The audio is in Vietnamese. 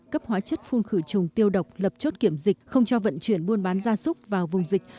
cấp hóa chất phun khử trùng tiêu độc lập chốt kiểm dịch không cho vận chuyển buôn bán gia súc vào vùng dịch